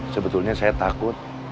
sebetulnya saya takut